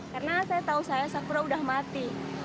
karena saya tahu saya sakura sudah mati